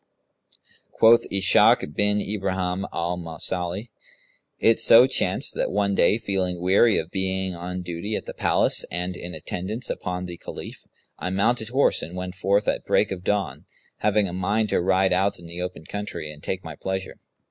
Quoth Ishak bin Ibrahim al Mausili, "It so chanced that, one day feeling weary of being on duty at the Palace and in attendance upon the Caliph, I mounted horse and went forth, at break of dawn, having a mind to ride out in the open country and take my pleasure.